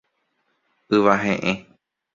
Yva he'ẽ.